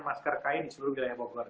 masker kain di seluruh wilayah bogor